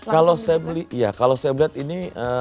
kalau saya melihat ini